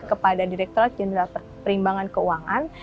kepada direkturat jenderal perimbangan keuangan